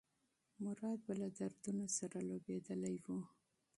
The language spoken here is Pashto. مراد به له دردونو سره لوبېدلی و.